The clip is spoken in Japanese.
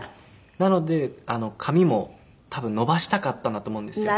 なので髪も多分伸ばしたかったんだと思うんですよ。